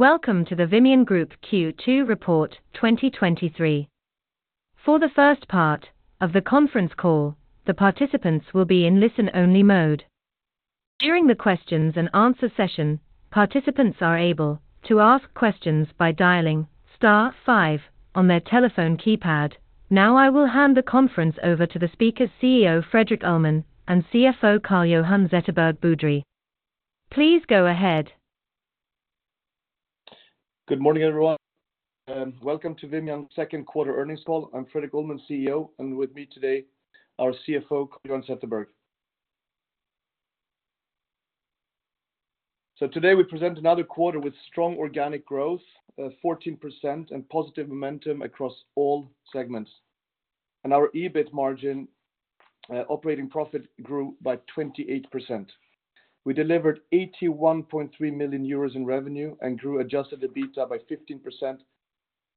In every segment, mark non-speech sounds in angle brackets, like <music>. Welcome to the Vimian Group Q2 Report 2023. For the first part of the conference call, the participants will be in listen-only mode. During the questions and answer session, participants are able to ask questions by dialing star five on their telephone keypad. Now, I will hand the conference over to the speakers, CEO Fredrik Ullman, and CFO Carl-Johan Zetterberg Boudrie. Please go ahead. Good morning, everyone, and welcome to Vimian second quarter earnings call. I'm Fredrik Ullman, CEO. With me today, our CFO, Carl-Johan Zetterberg. Today, we present another quarter with strong organic growth of 14% and positive momentum across all segments. Our EBIT margin, operating profit grew by 28%. We delivered 81.3 million euros in revenue and grew adjusted EBITDA by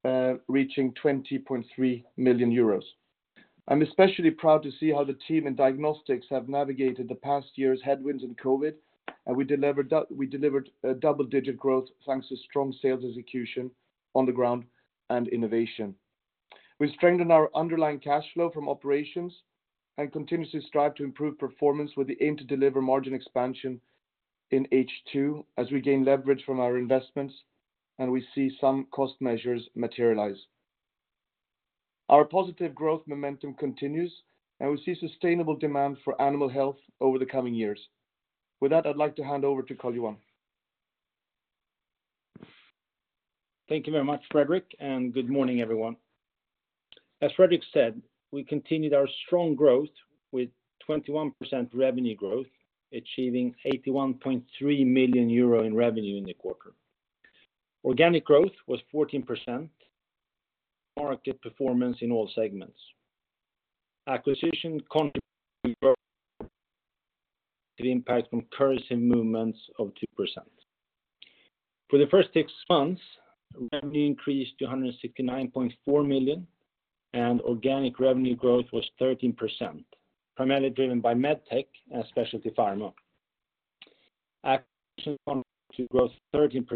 15%, reaching 20.3 million euros. I'm especially proud to see how the team in diagnostics have navigated the past year's headwinds in COVID, and we delivered a double-digit growth thanks to strong sales execution on the ground and innovation. We strengthened our underlying cash flow from operations and continuously strive to improve performance with the aim to deliver margin expansion in H2 as we gain leverage from our investments, and we see some cost measures materialize. Our positive growth momentum continues, and we see sustainable demand for animal health over the coming years. With that, I'd like to hand over to Carl-Johan. Thank you very much, Fredrik, good morning, everyone. As Fredrik said, we continued our strong growth with 21% revenue growth, achieving 81.3 million euro in revenue in the quarter. Organic growth was 14%, market performance in all segments. Acquisition contributed to the impact from currency movements of 2%. For the first six months, revenue increased to 169.4 million, organic revenue growth was 13%, primarily driven by MedTech and Specialty Pharma. Acquisition to growth 13%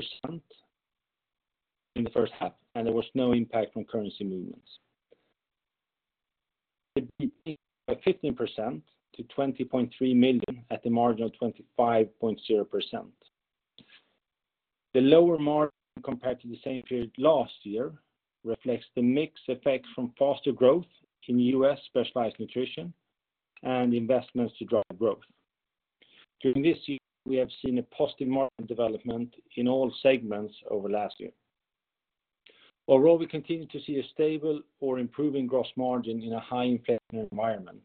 in the first half, there was no impact from currency movements. By 15% to 20.3 million at the margin of 25.0%. The lower margin compared to the same period last year reflects the mix effect from faster growth in U.S. specialized nutrition and investments to drive growth. During this year, we have seen a positive market development in all segments over last year. Overall, we continue to see a stable or improving gross margin in a high inflation environment.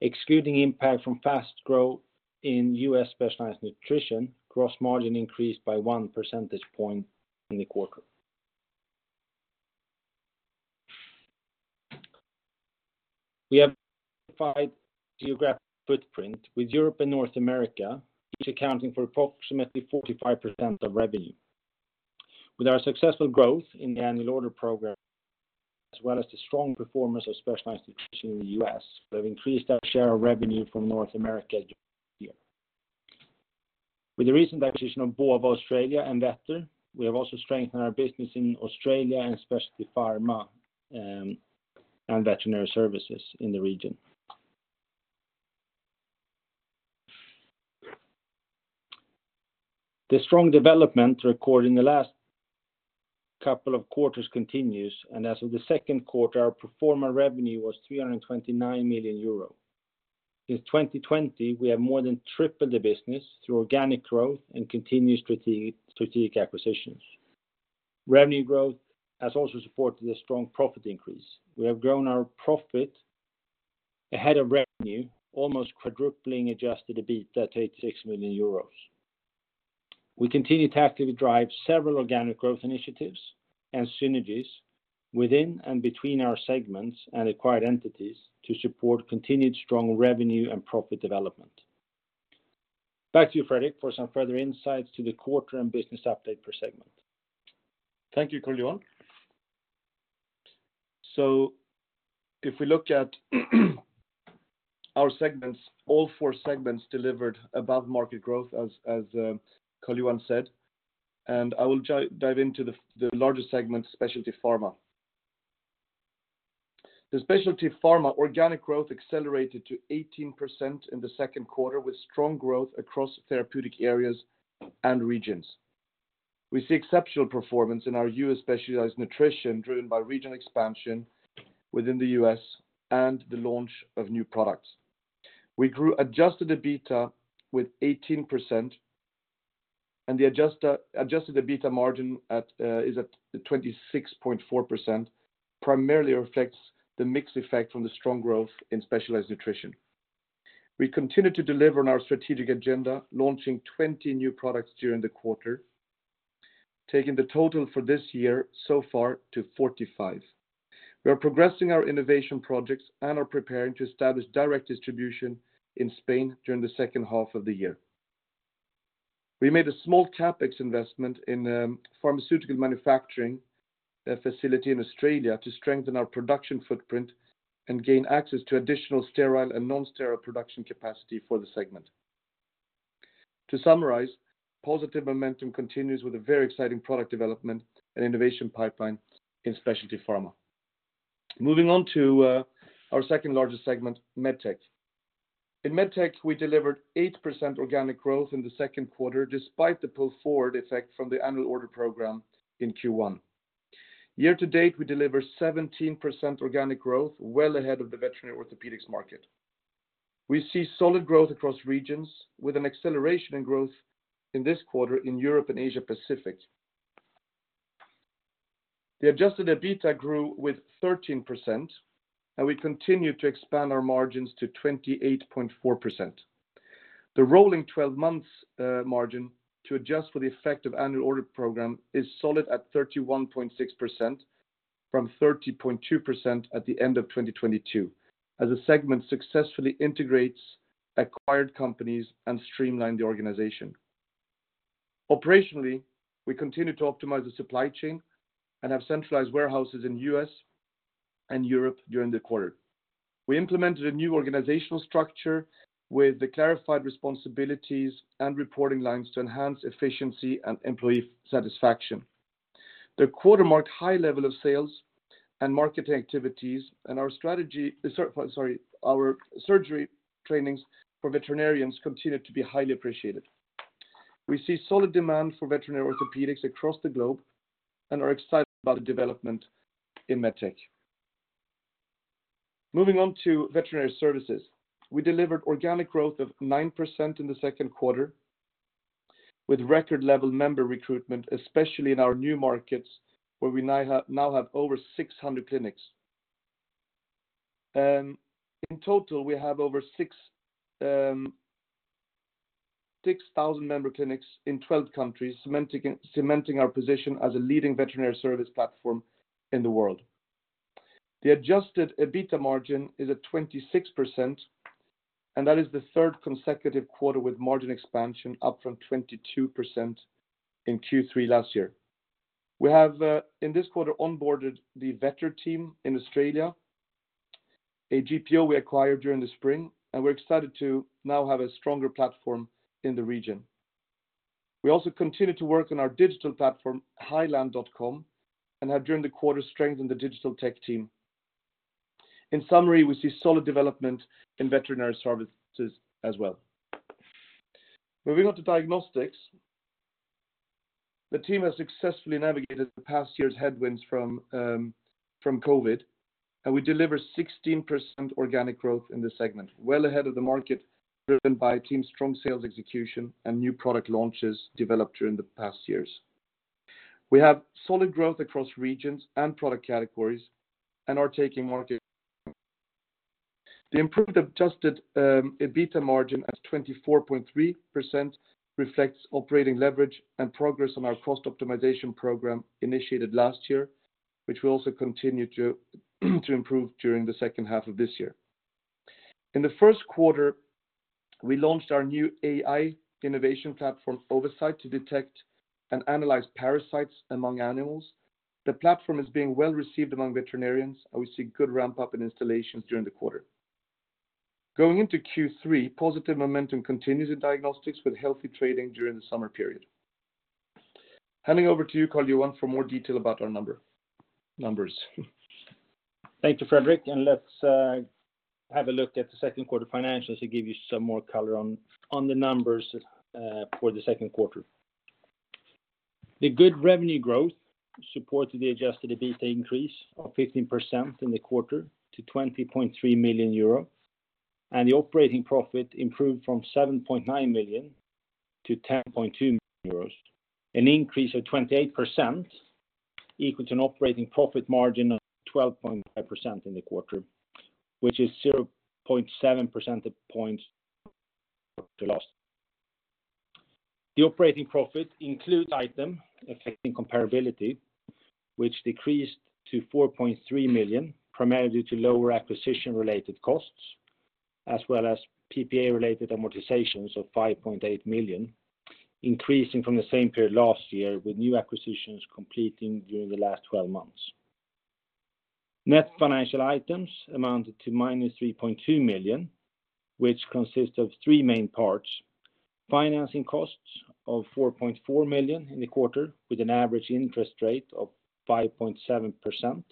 Excluding impact from fast growth in U.S. specialized nutrition, gross margin increased by 1 percentage point in the quarter. We have five geographic footprint, with Europe and North America, each accounting for approximately 45% of revenue. With our successful growth in the annual order program, as well as the strong performance of specialized nutrition in the U.S., we have increased our share of revenue from North America this year. With the recent acquisition of BOVA Australia and Vettr, we have also strengthened our business in Australia and Specialty Pharma and veterinary services in the region. The strong development recorded in the last couple of quarters continues, and as of the second quarter, our pro forma revenue was 329 million euro. In 2020, we have more than tripled the business through organic growth and continued strategic, strategic acquisitions. Revenue growth has also supported a strong profit increase. We have grown our profit ahead of revenue, almost quadrupling adjusted EBITDA to 86 million euros. We continue to actively drive several organic growth initiatives and synergies within and between our segments and acquired entities to support continued strong revenue and profit development. Back to you, Fredrik, for some further insights to the quarter and business update per segment. Thank you, Carl-Johan. If we look at our segments, all four segments delivered above-market growth, as, as Carl-Johan said, and I will dive into the larger segment, Specialty Pharma. The Specialty Pharma organic growth accelerated to 18% in the second quarter, with strong growth across therapeutic areas and regions. We see exceptional performance in our U.S. specialized nutrition, driven by regional expansion within the U.S. and the launch of new products. We grew adjusted EBITDA with 18%, and the adjusted EBITDA margin is at the 26.4%, primarily reflects the mix effect from the strong growth in specialized nutrition. We continue to deliver on our strategic agenda, launching 20 new products during the quarter, taking the total for this year so far to 45. We are progressing our innovation projects and are preparing to establish direct distribution in Spain during the second half of the year. We made a small CapEx investment in pharmaceutical manufacturing a facility in Australia to strengthen our production footprint and gain access to additional sterile and non-sterile production capacity for the segment. To summarize, positive momentum continues with a very exciting product development and innovation pipeline in Specialty Pharma. Moving on to our second-largest segment, MedTech. In MedTech, we delivered 8% organic growth in the second quarter, despite the pull-forward effect from the annual order program in Q1. Year to date, we delivered 17% organic growth, well ahead of the veterinary orthopedics market. We see solid growth across regions, with an acceleration in growth in this quarter in Europe and Asia Pacific. The adjusted EBITDA grew with 13%, and we continue to expand our margins to 28.4%. The rolling 12 months margin to adjust for the effect of annual order program is solid at 31.6% from 30.2% at the end of 2022, as the segment successfully integrates acquired companies and streamline the organization. Operationally, we continue to optimize the supply chain and have centralized warehouses in U.S. and Europe during the quarter. We implemented a new organizational structure with the clarified responsibilities and reporting lines to enhance efficiency and employee satisfaction. The quarter marked high level of sales and marketing activities, and our strategy, sorry, our surgery trainings for veterinarians continued to be highly appreciated. We see solid demand for veterinary orthopedics across the globe and are excited about the development in MedTech. Moving on to veterinary services. We delivered organic growth of 9% in the second quarter, with record level member recruitment, especially in our new markets, where we now have, now have over 600 clinics. In total, we have over 6,000 member clinics in 12 countries, cementing, cementing our position as a leading veterinary service platform in the world. The adjusted EBITDA margin is at 26%, and that is the third consecutive quarter with margin expansion up from 22% in Q3 last year. We have, in this quarter, onboarded the Vettr team in Australia, a GPO we acquired during the spring, and we're excited to now have a stronger platform in the region. We also continue to work on our digital platform, heiland.com, and have, during the quarter, strengthened the digital tech team. In summary, we see solid development in veterinary services as well. Moving on to diagnostics. The team has successfully navigated the past year's headwinds from COVID, and we deliver 16% organic growth in this segment, well ahead of the market, driven by team strong sales execution and new product launches developed during the past years. We have solid growth across regions and product categories and are taking market. The improved adjusted EBITDA margin at 24.3% reflects operating leverage and progress on our cost optimization program initiated last year, which will also continue to improve during the second half of this year. In the first quarter, we launched our new AI innovation platform, Ovacyte, to detect and analyze parasites among animals. The platform is being well received among veterinarians, and we see good ramp-up in installations during the quarter. Going into Q3, positive momentum continues in diagnostics with healthy trading during the summer period. Handing over to you, Carl-Johan, for more detail about our number- numbers. Thank you, Fredrik, let's have a look at the second quarter financials to give you some more color on, on the numbers for the second quarter. The good revenue growth supported the adjusted EBITDA increase of 15% in the quarter to 20.3 million euro, and the operating profit improved from 7.9 million to 10.2 million euros. An increase of 28% equals an operating profit margin of 12.5% in the quarter, which is 0.7% of points lost. The operating profit includes item affecting comparability, which decreased to 4.3 million, primarily to lower acquisition-related costs, as well as PPA-related amortizations of 5.8 million, increasing from the same period last year, with new acquisitions completing during the last 12 months. Net financial items amounted to -3.2 million, which consists of three main parts: financing costs of 4.4 million in the quarter, with an average interest rate of 5.7%.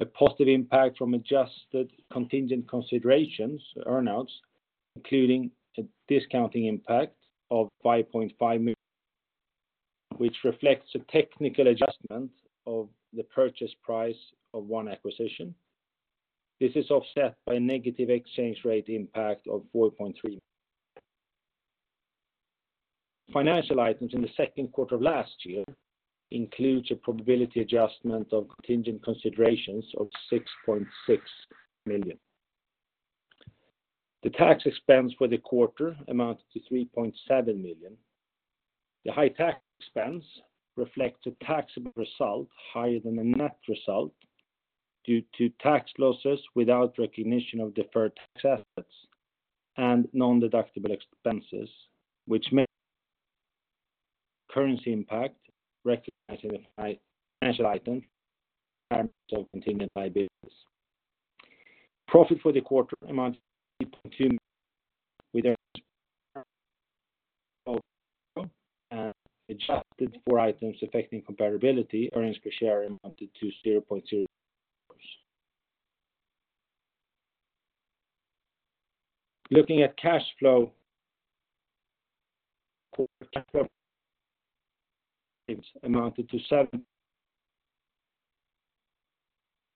A positive impact from adjusted contingent considerations, earnouts, including a discounting impact of 5.5 million, which reflects a technical adjustment of the purchase price of one acquisition. This is offset by a negative exchange rate impact of 4.3 million. Financial items in the second quarter of last year includes a probability adjustment of contingent considerations of 6.6 million. The tax expense for the quarter amounts to 3.7 million. The high tax expense reflects a taxable result higher than the net result. due to tax losses without recognition of deferred tax assets and non-deductible expenses, which may currency impact recognizing a high financial item so continued by business. Profit for the quarter amount to EUR 0.2, with our adjusted for items affecting comparability, earnings per share amounted to 0.2. Looking at cash flow, for cash, it's amounted to EUR 7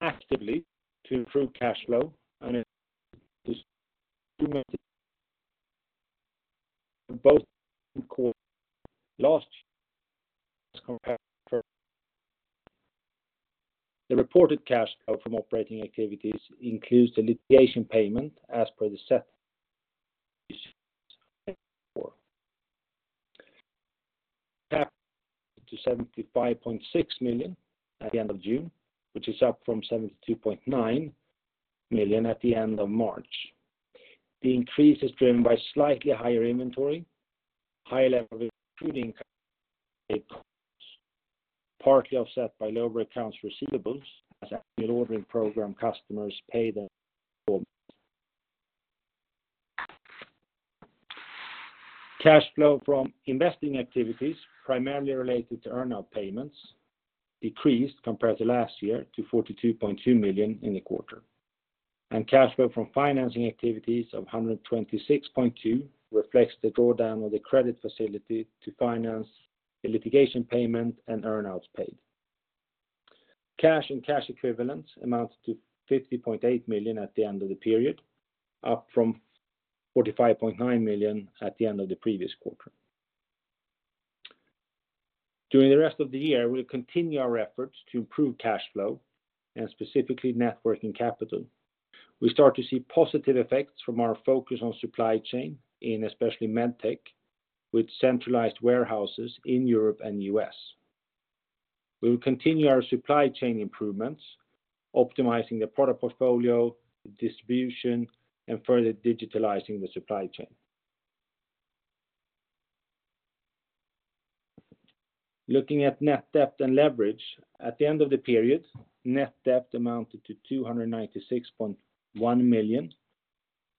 actively to improve cash flow, it is both in court. Last year, the reported cash flow from operating activities includes the litigation payment as per the set for. Up to 75.6 million at the end of June, which is up from 72.9 million at the end of March. The increase is driven by slightly higher inventory, high level of including partly offset by lower accounts receivables as the ordering program customers pay them. Cash flow from investing activities, primarily related to earn out payments, decreased compared to last year to 42.2 million in the quarter. Cash flow from financing activities of 126.2, reflects the drawdown of the credit facility to finance the litigation payment and earn outs paid. Cash and cash equivalents amounted to 50.8 million at the end of the period, up from 45.9 million at the end of the previous quarter. During the rest of the year, we'll continue our efforts to improve cash flow and specifically networking capital. We start to see positive effects from our focus on supply chain in especially MedTech, with centralized warehouses in Europe and U.S.. We will continue our supply chain improvements, optimizing the product portfolio, distribution, and further digitalizing the supply chain. Looking at net debt and leverage. At the end of the period, net debt amounted to 296.1 million,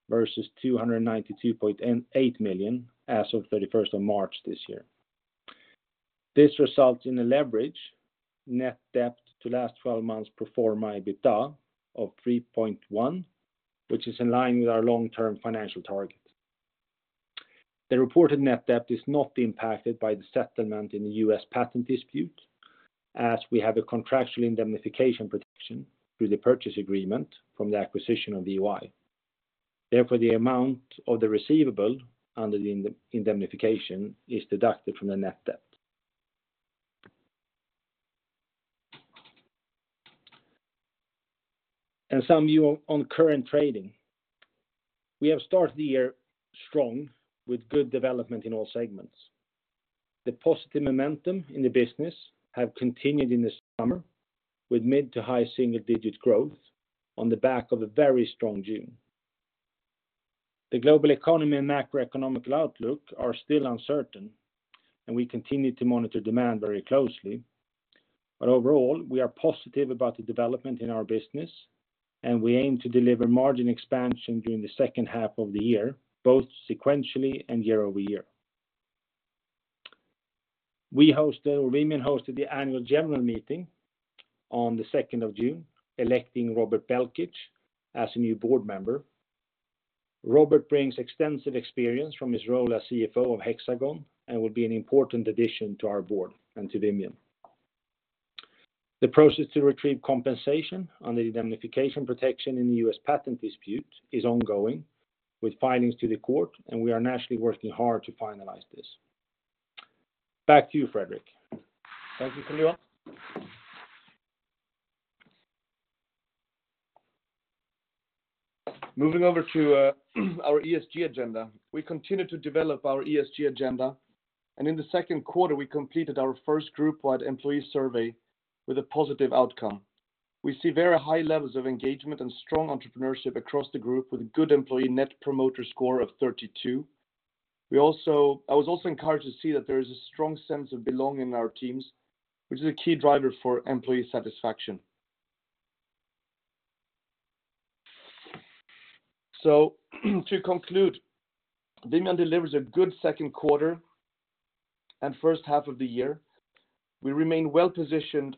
versus 292.8 million as of 31st of March this year. This results in a leverage net debt to last 12 months pro forma EBITDA of 3.1, which is in line with our long term financial targets. The reported net debt is not impacted by the settlement in the U.S. patent dispute, as we have a contractual indemnification protection through the purchase agreement from the acquisition of the VOI. Therefore, the amount of the receivable under the indemnification is deducted from the net debt. Some view on current trading. We have started the year strong, with good development in all segments. The positive momentum in the business have continued in the summer, with mid to high single digit growth on the back of a very strong June. We continue to monitor demand very closely. Overall, we are positive about the development in our business, and we aim to deliver margin expansion during the second half of the year, both sequentially and year-over-year. Vimian hosted the annual general meeting on the 2nd of June, electing Robert Belkic as a new board member. Robert brings extensive experience from his role as CFO of Hexagon and will be an important addition to our board and to Vimian. The process to retrieve compensation on the indemnification protection in the U.S. patent dispute is ongoing, with filings to the court. We are naturally working hard to finalize this. Back to you, Frederik. Thank you Carl-Johan. Moving over to our ESG agenda. We continue to develop our ESG agenda, and in the second quarter, we completed our first group-wide employee survey with a positive outcome. We see very high levels of engagement and strong entrepreneurship across the group, with a good employee net promoter score of 32. I was also encouraged to see that there is a strong sense of belonging in our teams, which is a key driver for employee satisfaction. To conclude, Vimian delivers a good second quarter and first half of the year. We remain well-positioned,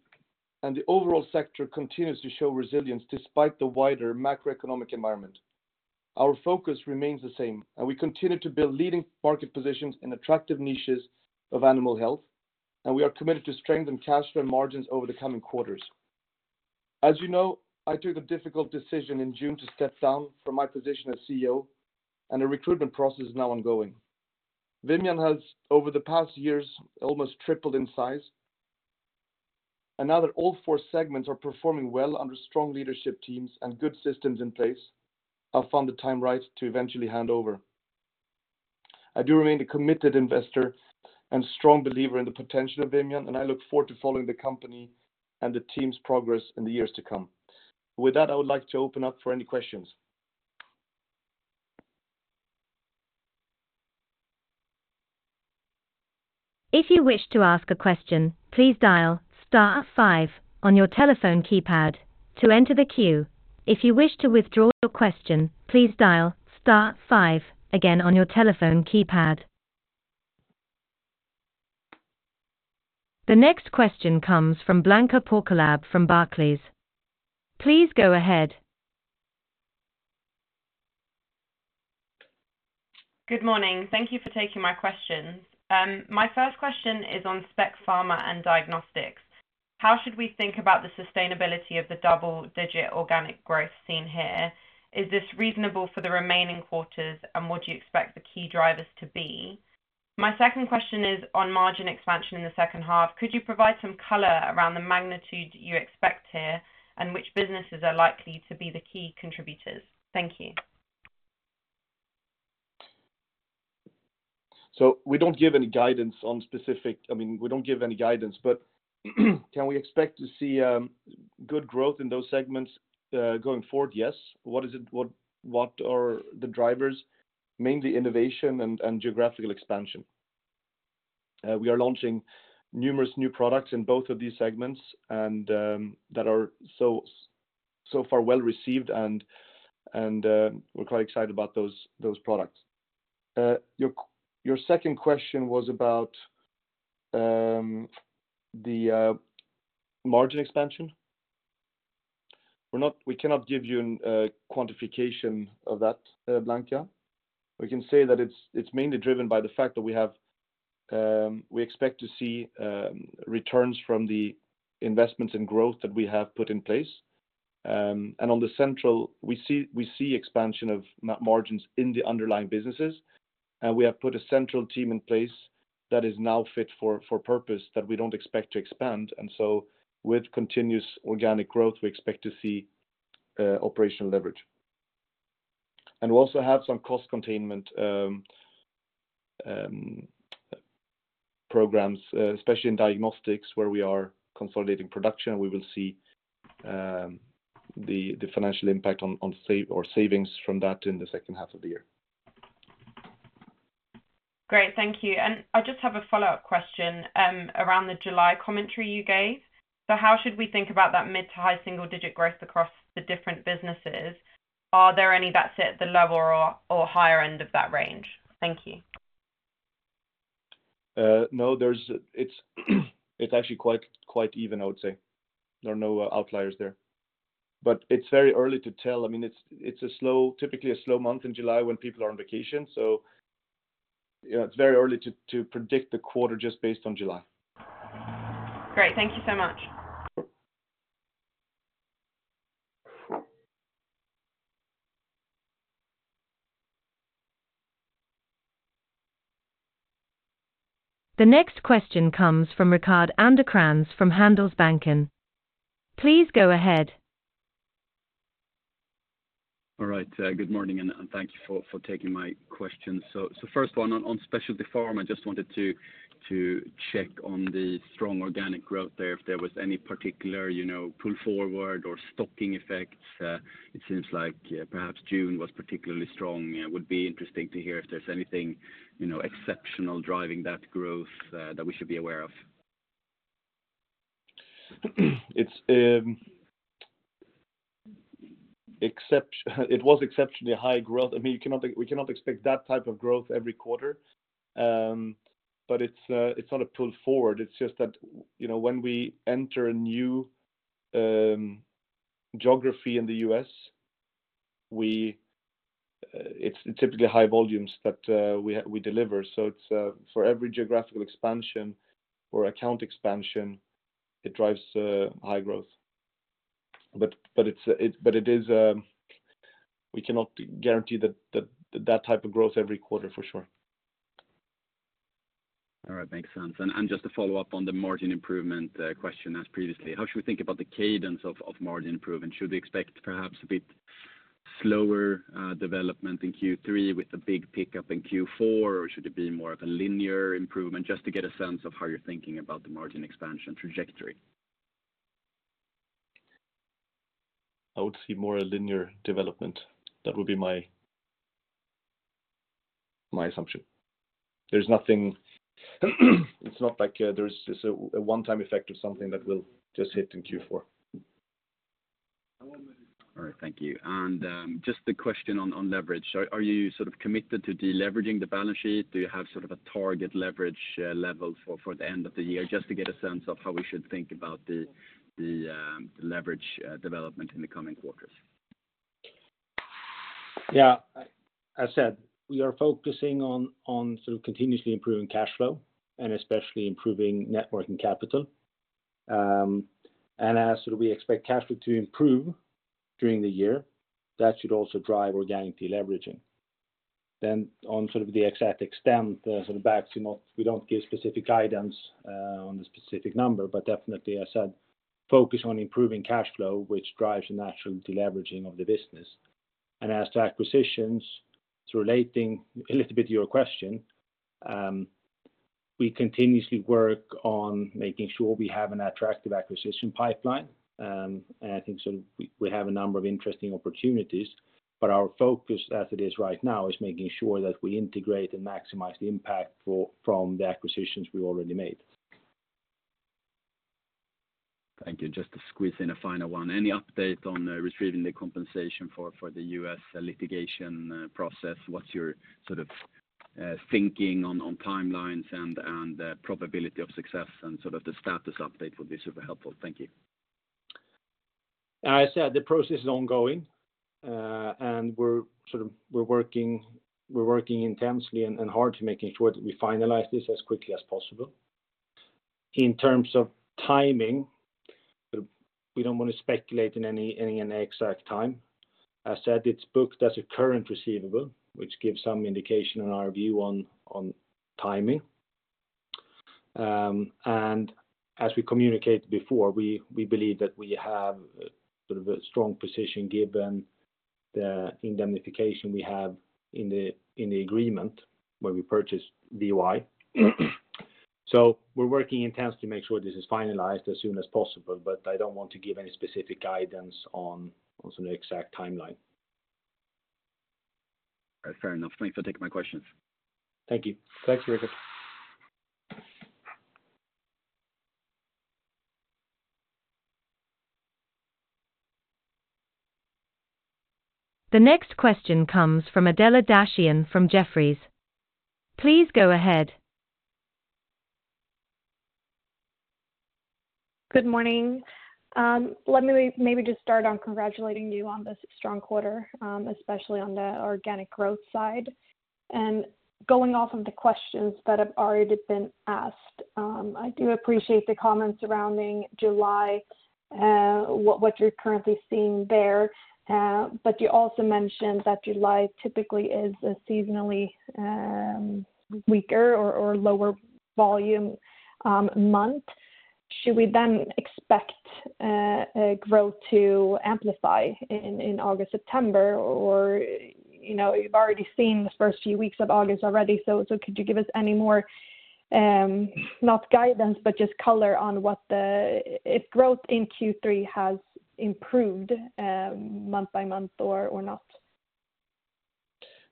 and the overall sector continues to show resilience despite the wider macroeconomic environment. Our focus remains the same, and we continue to build leading market positions in attractive niches of animal health, and we are committed to strengthen cash flow margins over the coming quarters. As you know, I took a difficult decision in June to step down from my position as CEO. A recruitment process is now ongoing. Vimian has, over the past years, almost tripled in size. Now that all four segments are performing well under strong leadership teams and good systems in place, I found the time right to eventually hand over. I do remain a committed investor and strong believer in the potential of Vimian. I look forward to following the company and the team's progress in the years to come. With that, I would like to open up for any questions. If you wish to ask a question, please dial star five on your telephone keypad to enter the queue. If you wish to withdraw your question, please dial star five again on your telephone keypad. The next question comes from Blanka Porkolab from Barclays. Please go ahead. Good morning. Thank you for taking my questions. My first question is on Specialty Pharma and diagnostics. How should we think about the sustainability of the double-digit organic growth seen here? Is this reasonable for the remaining quarters, and what do you expect the key drivers to be? My second question is on margin expansion in the second half. Could you provide some color around the magnitude you expect here, and which businesses are likely to be the key contributors? Thank you. We don't give any guidance. I mean, we don't give any guidance, but, can we expect to see good growth in those segments going forward? Yes. What is it, what are the drivers? Mainly innovation and geographical expansion. We are launching numerous new products in both of these segments, and that are so far well-received, and we're quite excited about those products. Your second question was about the margin expansion. We cannot give you a quantification of that, Blanka. We can say that it's mainly driven by the fact that we have, we expect to see returns from the investments in growth that we have put in place. On the central, we see expansion of margins in the underlying businesses. We have put a central team in place that is now fit for, for purpose, that we don't expect to expand. With continuous organic growth, we expect to see operational leverage. We also have some cost containment programs, especially in diagnostics, where we are consolidating production. We will see the, the financial impact on, on save or savings from that in the second half of the year. Great, thank you. I just have a follow-up question, around the July commentary you gave. How should we think about that mid to high single digit growth across the different businesses? Are there any that sit at the lower or higher end of that range? Thank you. No, it's actually quite, quite even, I would say. There are no outliers there, but it's very early to tell. I mean, it's a slow, typically a slow month in July when people are on vacation. Yeah, it's very early to predict the quarter just based on July. Great. Thank you so much. The next question comes from Rickard Anderkrans from Handelsbanken. Please go ahead. All right, good morning, and, and thank you for, for taking my questions. First one, on, on Specialty Pharma, I just wanted to, to check on the strong organic growth there, if there was any particular, you know, pull forward or stocking effects. It seems like, perhaps June was particularly strong. It would be interesting to hear if there's anything, you know, exceptional driving that growth, that we should be aware of. It was exceptionally high growth. I mean, you cannot, we cannot expect that type of growth every quarter. It's not a pull forward. It's just that, you know, when we enter a new geography in the U.S., we, it's typically high volumes that we, we deliver. It's for every geographical expansion or account expansion, it drives high growth. But it's, but it is, we cannot guarantee that, that, that type of growth every quarter for sure. All right, makes sense. Just to follow up on the margin improvement, question asked previously. How should we think about the cadence of, of margin improvement? Should we expect perhaps a bit slower, development in Q3 with the big pickup in Q4, or should it be more of a linear improvement? Just to get a sense of how you're thinking about the margin expansion trajectory. I would see more a linear development. That would be my, my assumption. There's nothing, it's not like, there's just a one-time effect or something that will just hit in Q4. All right, thank you. Just a question on, on leverage. Are, are you sort of committed to deleveraging the balance sheet? Do you have sort of a target leverage level for, for the end of the year? Just to get a sense of how we should think about the, the, the leverage development in the coming quarters. Yeah, as I said, we are focusing on sort of continuously improving cash flow and especially improving net working capital. As we expect cash flow to improve during the year, that should also drive organic deleveraging. On sort of the exact extent, sort of, <audio distortion> we don't give specific guidance on the specific number, but definitely, as I said focus on improving cash flow, which drives the natural deleveraging of the business. As to acquisitions, relating a little bit to your question, we continuously work on making sure we have an attractive acquisition pipeline. I think so we, we have a number of interesting opportunities, but our focus as it is right now, is making sure that we integrate and maximize the impact from the acquisitions we already made. Thank you. Just to squeeze in a final one, any update on retrieving the compensation for, for the U.S. litigation process? What's your sort of thinking on timelines and and probability of success and sort of the status update would be super helpful. Thank you. As I said, the process is ongoing, we're sort of, we're working, we're working intensely and, and hard to making sure that we finalize this as quickly as possible. In terms of timing, we don't want to speculate in any, any, an exact time. I said it's booked as a current receivable, which gives some indication on our view on, on timing. As we communicated before, we, we believe that we have sort of a strong position given the indemnification we have in the, in the agreement when we purchased VOI. We're working intensely to make sure this is finalized as soon as possible, but I don't want to give any specific guidance on, on sort of the exact timeline. All right. Fair enough. Thank you for taking my questions. Thank you. Thanks, Rickard. The next question comes from Adela Dashian from Jefferies. Please go ahead. Good morning. Let me maybe just start on congratulating you on this strong quarter, especially on the organic growth side. Going off of the questions that have already been asked, I do appreciate the comments surrounding July, what, what you're currently seeing there. You also mentioned that July typically is a seasonally weaker or, or lower volume month. Should we then expect a growth to amplify in, in August, September, or, you know, we've already seen the first few weeks of August already. Could you give us any more, not guidance, but just color on what the. If growth in Q3 has improved month by month or, or not?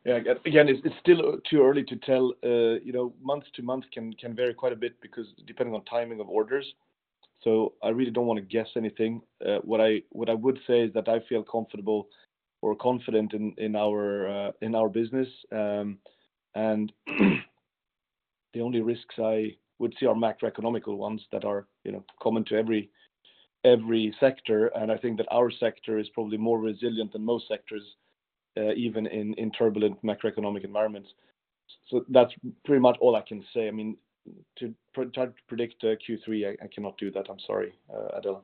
Yeah, again, it's still too early to tell. You know, month to month can vary quite a bit because depending on timing of orders, so I really don't want to guess anything. What I would say is that I feel comfortable or confident in our business. The only risks I would see are macroeconomical ones that are, you know, common to every sector. I think that our sector is probably more resilient than most sectors even in turbulent macroeconomic environments. That's pretty much all I can say. I mean, to try to predict Q3, I cannot do that. I'm sorry, Adela.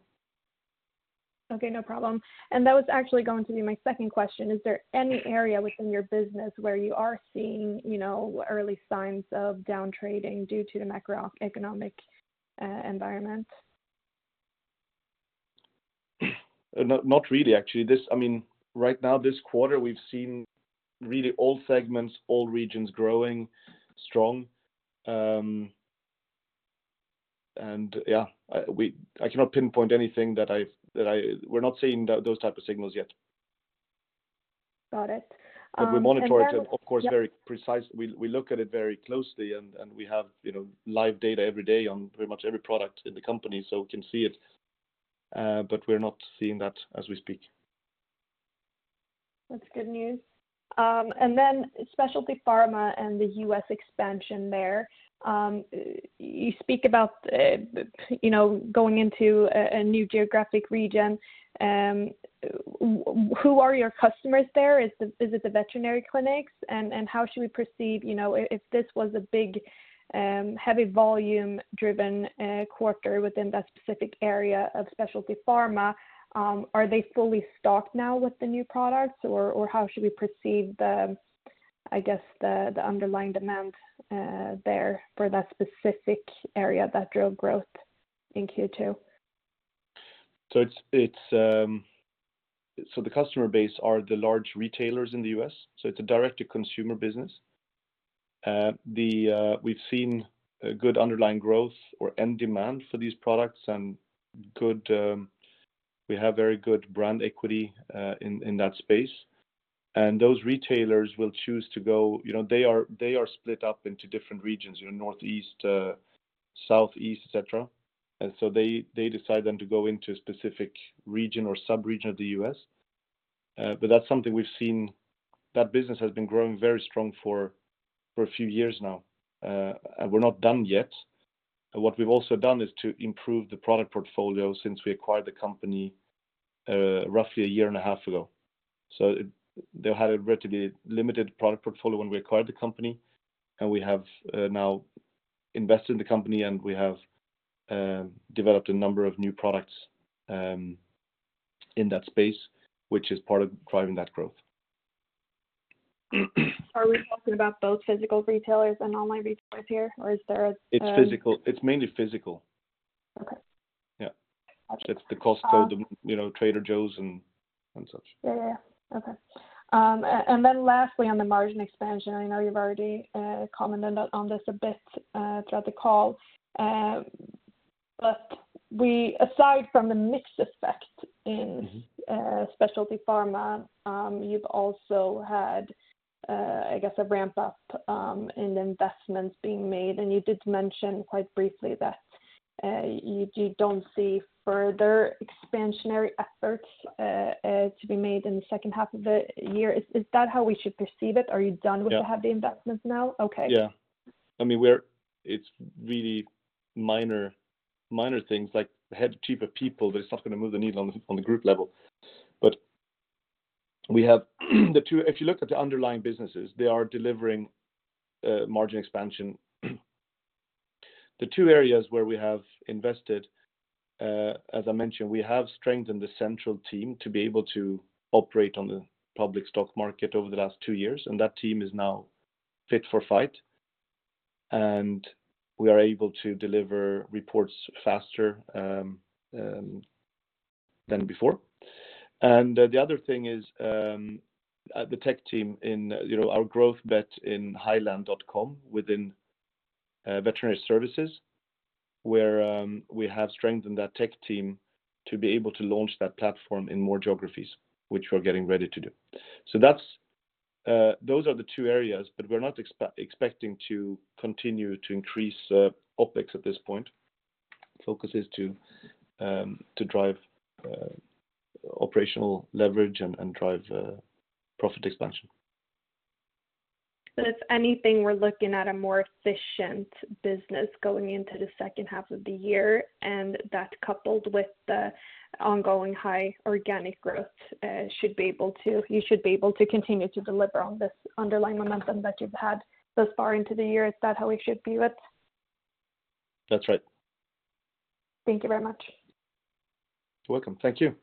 Okay, no problem. That was actually going to be my second question. Is there any area within your business where you are seeing, you know, early signs of down trading due to the macroeconomic environment? Not, not really, actually. I mean, right now, this quarter, we've seen really all segments, all regions growing strong. Yeah, I cannot pinpoint anything that I've. We're not seeing those type of signals yet. Got it. We monitor it, of course, we look at it very closely, and we have, you know, live data every day on pretty much every product in the company, so we can see it, but we're not seeing that as we speak. That's good news. Then Specialty Pharma and the U.S. expansion there. You speak about, you know, going into a new geographic region. Who are your customers there? Is it the veterinary clinics? How should we perceive, you know, if this was a big, heavy volume-driven quarter within that specific area of Specialty Pharma, are they fully stocked now with the new products, or how should we perceive the, I guess, underlying demand there for that specific area that drove growth in Q2? The customer base are the large retailers in the U.S., so it's a direct-to-consumer business. We've seen a good underlying growth or end demand for these products and good, we have very good brand equity in, in that space. Those retailers will choose to go- You know, they are, they are split up into different regions, you know, Northeast, Southeast, et cetera. They, they decide then to go into a specific region or subregion of the U.S.. That's something we've seen. That business has been growing very strong for, for a few years now, and we're not done yet. What we've also done is to improve the product portfolio since we acquired the company, roughly a year and a half ago. They had a relatively limited product portfolio when we acquired the company, and we have now invested in the company, and we have developed a number of new products in that space, which is part of driving that growth. Are we talking about both physical retailers and online retailers here, or is there a- It's physical. It's mainly physical. Yeah. It's the Costco, the, you know, Trader Joe's and, and such. Yeah, yeah. Okay. Then lastly, on the margin expansion, I know you've already, commented on, on this a bit, throughout the call. aside from the mix effect in Specialty Pharma, you've also had, I guess, a ramp up in investments being made. You did mention quite briefly that you, you don't see further expansionary efforts to be made in the second half of the year. Is that how we should perceive it? Are you done with the heavy investments now? Okay. Yeah. I mean, it's really minor, minor things like head cheaper people, but it's not gonna move the needle on the group level. We have, If you look at the underlying businesses, they are delivering margin expansion. The two areas where we have invested, as I mentioned, we have strengthened the central team to be able to operate on the public stock market over the last two years, and that team is now fit for fight, and we are able to deliver reports faster than before. The other thing is the tech team in, you know, our growth bet in heiland.com, within veterinary services, where we have strengthened that tech team to be able to launch that platform in more geographies, which we're getting ready to do. That's, those are the two areas, but we're not expecting to continue to increase OpEx at this point. Focus is to, to drive operational leverage and, and drive profit expansion. If anything, we're looking at a more efficient business going into the second half of the year, and that coupled with the ongoing high organic growth, you should be able to continue to deliver on this underlying momentum that you've had thus far into the year. Is that how we should view it? That's right. Thank you very much. You're welcome. Thank you.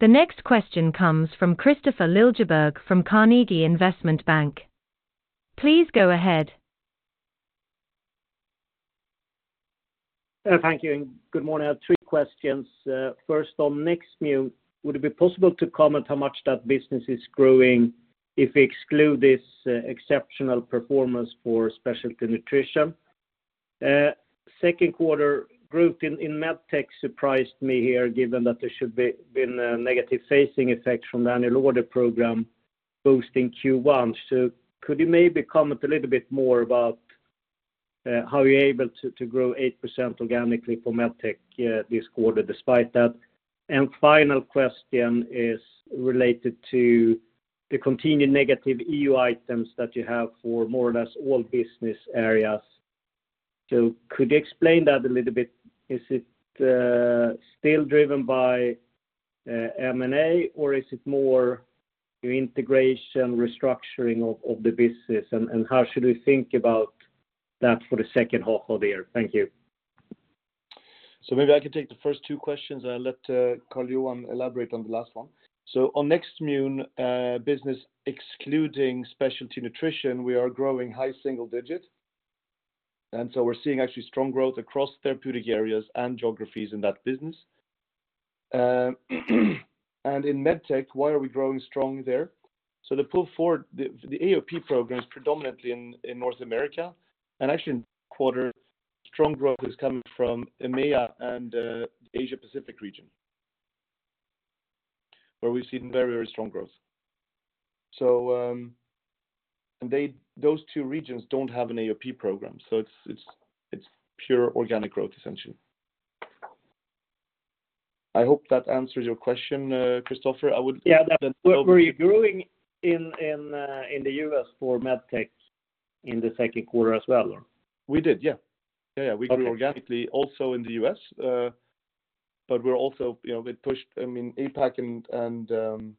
The next question comes from Kristofer Liljeberg from Carnegie Investment Bank. Please go ahead. Thank you, good morning. I have three questions. First, on Nextmune, would it be possible to comment how much that business is growing if we exclude this exceptional performance for specialty nutrition? Second quarter growth in Medtech surprised me here, given that there should be a negative phasing effect from the annual order program boost in Q1. Could you maybe comment a little bit more about how you're able to grow 8% organically for Medtech this quarter despite that? Final question is related to the continued negative EU items that you have for more or less all business areas. Could you explain that a little bit? Is it still driven by M&A, or is it more your integration, restructuring of the business? How should we think about that for the second half of the year? Thank you. Maybe I can take the two questions, and I'll let Carl-Johan elaborate on the last one. On Nextmune business, excluding specialty nutrition, we are growing high single digit. We're seeing actually strong growth across therapeutic areas and geographies in that business. In MedTech, why are we growing strongly there? The pull forward, the AOP program is predominantly in North America, and actually in this quarter, strong growth is coming from EMEA and the Asia Pacific region, where we've seen very, very strong growth. And they, those two regions don't have an AOP program, so it's pure organic growth, essentially. I hope that answers your question, Kristofer. Yeah. Then. Were you growing in, in the U.S. for MedTech in the second quarter as well, or? We did, yeah. Yeah, yeah. Okay .We grew organically also in the U.S.. But we're also, you know, we pushed, I mean, APAC and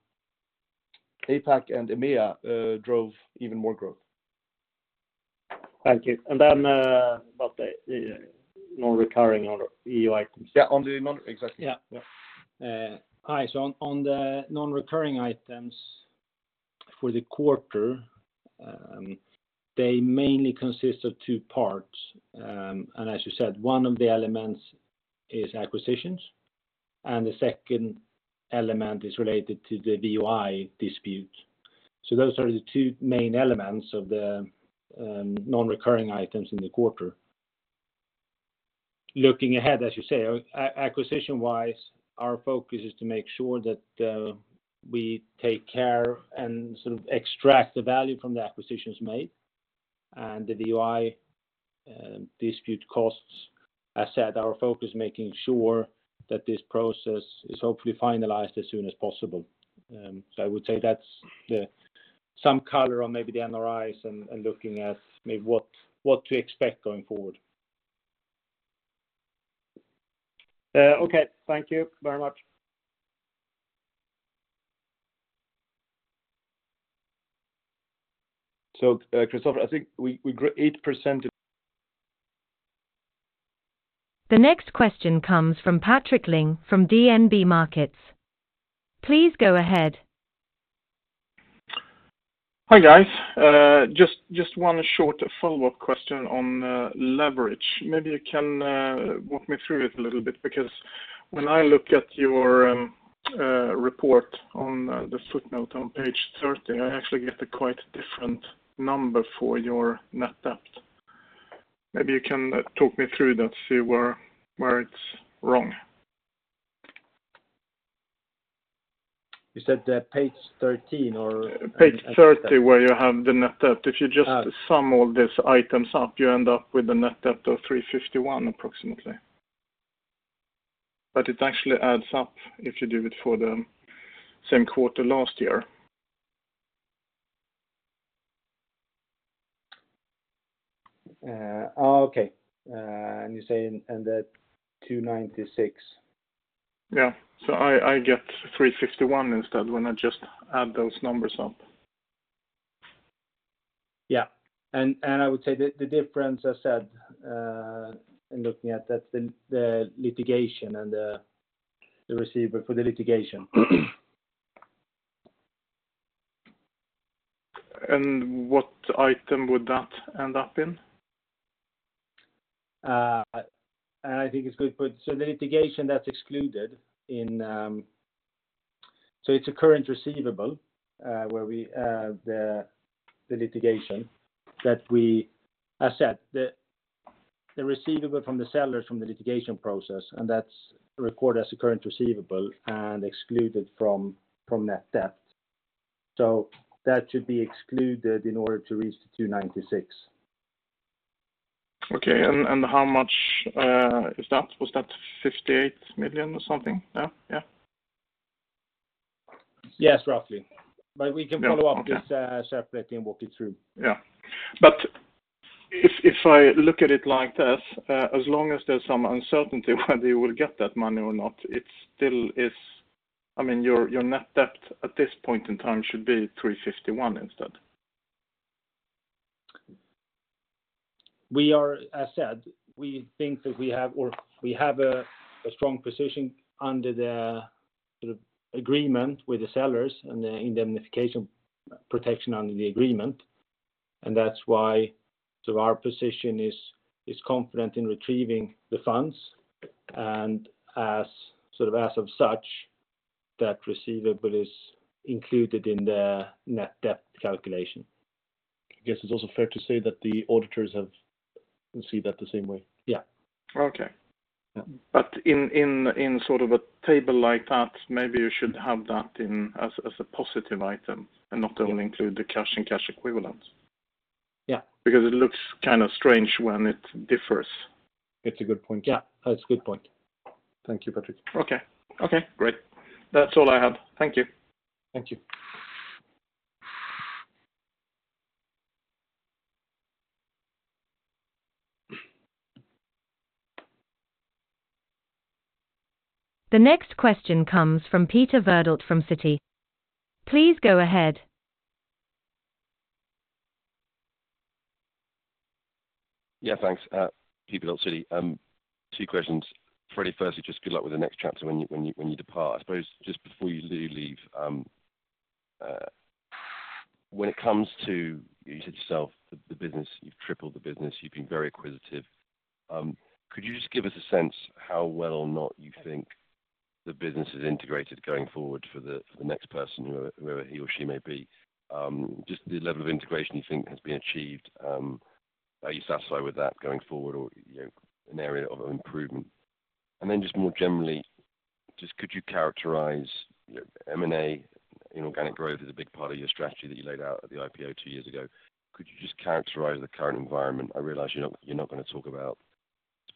EMEA drove even more growth. Thank you. Then, about the, the Non-recurring order, EU items. Yeah, Exactly. Yeah. Yeah. All right. On, on the Non-recurring Items for the quarter, they mainly consist of two parts. As you said, one of the elements is acquisitions, and the second element is related to the VOI dispute. Those are the two main elements of the Non-recurring Items in the quarter. Looking ahead, as you say, acquisition-wise, our focus is to make sure that we take care and sort of extract the value from the acquisitions made. The VOI dispute costs, as I said, our focus is making sure that this process is hopefully finalized as soon as possible. I would say that's the, some color on maybe the MRIs and, and looking at maybe what, what to expect going forward. Okay. Thank you very much Kristofer, I think we, we grew 8%. The next question comes from Patrik Ling from DNB Markets. Please go ahead. Hi, guys. Just, just one short follow-up question on leverage. Maybe you can walk me through it a little bit, because when I look at your report on the footnote on page 13, I actually get a quite different number for your net debt. Maybe you can talk me through that, see where, where it's wrong. You said, page 13 or. Page 30, where you have the net debt. If you just sum all these items up, you end up with a net debt of 351, approximately. It actually adds up if you do it for the same quarter last year. Oh, okay. You're saying, and that 296? Yeah. I get 351 instead, when I just add those numbers up. Yeah. I would say the, the difference, as said, in looking at that's the, the litigation and the, the receivable for the litigation. What item would that end up in? I think it's good. The litigation that's excluded in. It's a current receivable, where we, the, the litigation that we asset. The, the receivable from the sellers from the litigation process, and that's recorded as a current receivable and excluded from, from net debt. That should be excluded in order to reach the 296. Okay. And how much is that? Was that 58 million or something, yeah? Yeah. Yes, roughly. Yeah. Okay. We can follow up this, separately and walk you through. Yeah. If, if I look at it like this, as long as there's some uncertainty whether you will get that money or not, it still is. I mean, your, your net debt at this point in time should be 351 instead. As I said, we think that we have or we have a strong position under the sort of agreement with the sellers and the indemnification protection under the agreement, and that's why sort of our position is confident in retrieving the funds, and as sort of as of such, that receivable is included in the net debt calculation. I guess it's also fair to say that the auditors have seen that the same way. Yeah. Okay. Yeah. In sort of a table like that, maybe you should have that in as, as a positive item and not only include the cash and cash equivalents. Yeah. Because it looks kind of strange when it differs. It's a good point. Yeah, that's a good point. Thank you, Patrick. Okay. Okay, great. That's all I have. Thank you. Thank you. The next question comes from Peter Verdult from Citi. Please go ahead. Yeah, thanks. Peter Verdult, Citi. Two questions. Freddie, firstly, just good luck with the next chapter when you, when you, when you depart. I suppose, just before you leave, when it comes to, you said yourself, the business, you've tripled the business, you've been very acquisitive. Could you just give us a sense how well or not you think the business is integrated going forward for the next person, whoever, whoever he or she may be? Just the level of integration you think has been achieved, are you satisfied with that going forward or, you know, an area of improvement? Then just more generally, just could you characterize your M&A? Inorganic growth is a big part of your strategy that you laid out at the IPO two years ago. Could you just characterize the current environment? I realize you're not, you're not going to talk about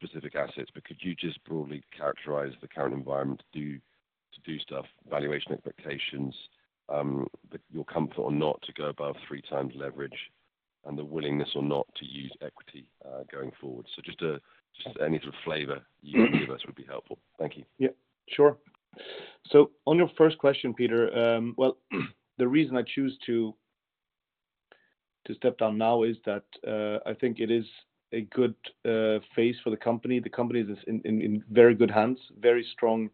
specific assets, but could you just broadly characterize the current environment to do, to do stuff, valuation expectations, that you're comfortable or not to go above 3x leverage, and the willingness or not to use equity, going forward? Just a, just any sort of flavor you can give us would be helpful. Thank you. Yeah, sure. On your first question, Peter, well, the reason I choose to, to step down now is that I think it is a good phase for the company. The company is in, in, in very good hands, very strong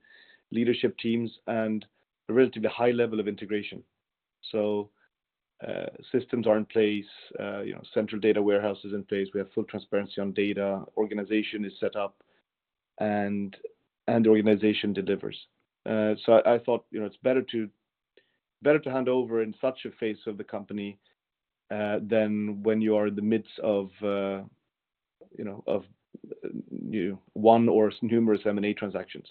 leadership teams, and a relatively high level of integration. Systems are in place, you know, central data warehouse is in place. We have full transparency on data, organization is set up, and, and the organization delivers. I thought, you know, it's better to, better to hand over in such a phase of the company than when you are in the midst of, you know, of, you know, one or numerous M&A transactions.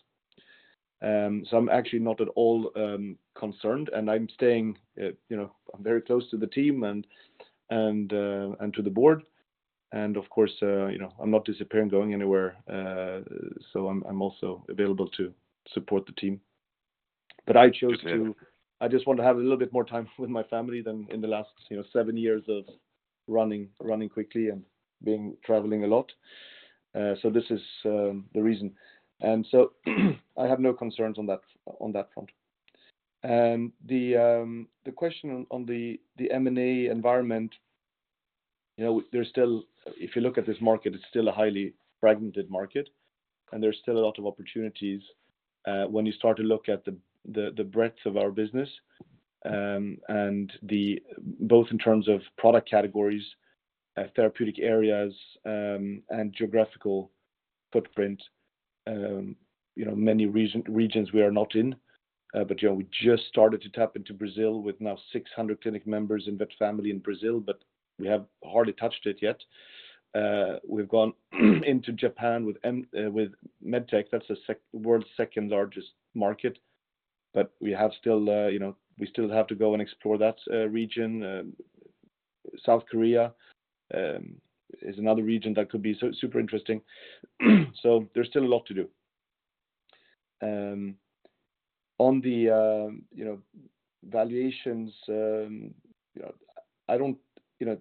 I'm actually not at all concerned, and I'm staying, you know, I'm very close to the team and, and to the board. Of course, you know, I'm not disappearing, going anywhere, so I'm, I'm also available to support the team. I chose to. Okay. I just want to have a little bit more time with my family than in the last, you know, seven years of running, running quickly and traveling a lot. So this is the reason. I have no concerns on that, on that front. The question on, on the, the M&A environment, you know, there's still if you look at this market, it's still a highly fragmented market, and there's still a lot of opportunities, when you start to look at the, the, the breadth of our business, and both in terms of product categories, therapeutic areas, and geographical footprint. You know, many region, regions we are not in, but, you know, we just started to tap into Brazil with now 600 clinic members in VetFamily in Brazil, but we have hardly touched it yet. We've gone into Japan with, with MedTech. That's the world's second-largest market, but we have still, you know, we still have to go and explore that region. South Korea is another region that could be so super interesting. There's still a lot to do. On the, you know, valuations, you know, I don't, you know,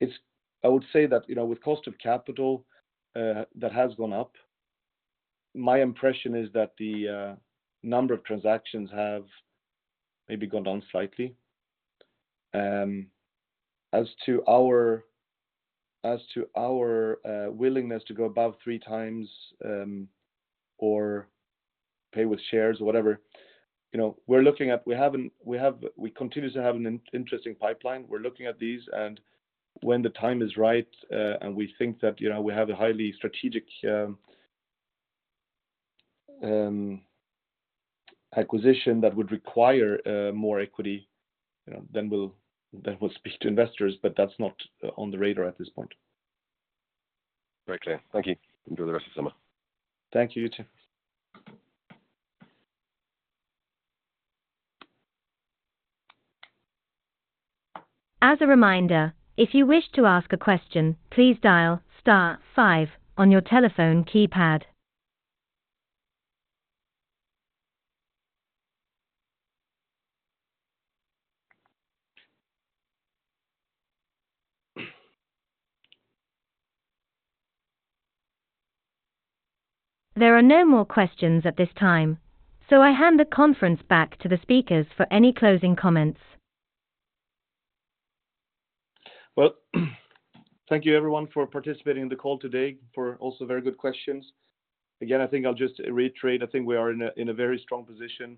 it's, I would say that, you know, with cost of capital that has gone up, my impression is that the number of transactions have maybe gone down slightly. As to our, as to our willingness to go above 3x, or pay with shares or whatever, you know, we're looking at. We continue to have an interesting pipeline. We're looking at these, and when the time is right, and we think that, you know, we have a highly strategic acquisition that would require more equity, you know, then we'll, then we'll speak to investors, but that's not on the radar at this point. Very clear. Thank you. Enjoy the rest of the summer. Thank you. You too. As a reminder, if you wish to ask a question, please dial star five on your telephone keypad. There are no more questions at this time. I hand the conference back to the speakers for any closing comments. Well, thank you everyone for participating in the call today, for also very good questions. Again, I think I'll just reiterate, I think we are in a, in a very strong position,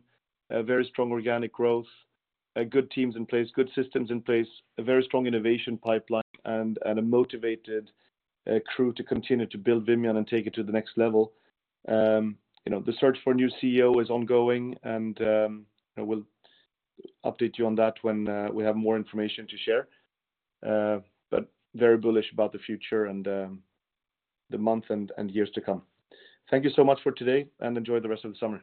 a very strong organic growth, good teams in place, good systems in place, a very strong innovation pipeline, and, and a motivated crew to continue to build Vimian and take it to the next level. You know, the search for a new CEO is ongoing, and I will update you on that when we have more information to share. Very bullish about the future and the month and years to come. Thank you so much for today, and enjoy the rest of the summer.